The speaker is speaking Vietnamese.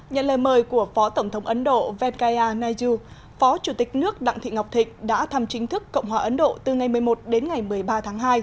nhận lời mời của phó tổng thống ấn độ venkaya naidu phó chủ tịch nước đặng thị ngọc thịnh đã thăm chính thức cộng hòa ấn độ từ ngày một mươi một đến ngày một mươi ba tháng hai